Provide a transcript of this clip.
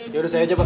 jodoh saya aja pak